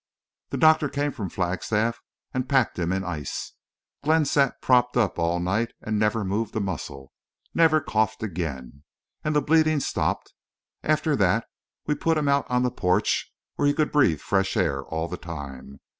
The doctor came from Flagstaff and packed him in ice. Glenn sat propped up all night and never moved a muscle. Never coughed again! And the bleeding stopped. After that we put him out on the porch where he could breathe fresh air all the time.